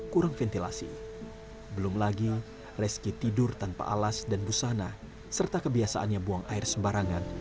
kurang ventilasi belum lagi reski tidur tanpa alas dan busana serta kebiasaannya buang air sembarangan